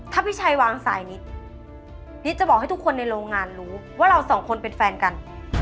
ถ้าพี่ชัยวางสายนิดนิดจะบอกให้ทุกคนในโรงงานรู้ว่าเราสองคนเป็นแฟนกัน